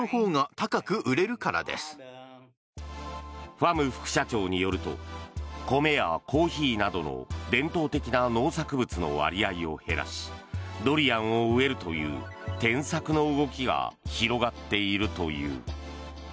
ファム副社長によると米やコーヒーなどの伝統的な農作物の割合を減らしドリアンを植えるという転作の動きが広がっているという。